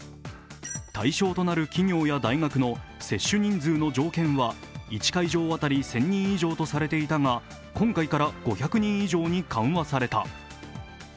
対象となる企業や大学の接種人数の条件は、１会場当たり１０００人以上とされていたが、今回から５００人以上に緩和された。